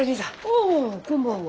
ああこんばんは。